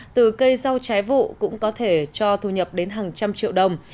từ cây rau trái vụ cũng có thể cho thu nhập đến hàng trăm triệu đồng